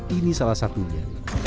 ini salah satunya